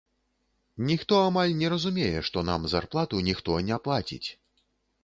Ніхто амаль не разумее, што нам зарплату ніхто не плаціць.